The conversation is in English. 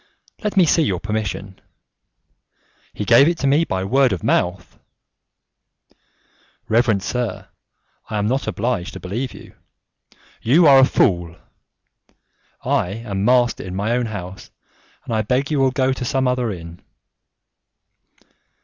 "Let me see your permission." "He gave it to me by word of mouth." "Reverend sir, I am not obliged to believe you." "You are a fool." "I am master in my own house, and I beg you will go to some other inn."